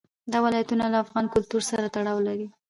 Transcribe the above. دا ولایتونه له افغان کلتور سره تړاو لري.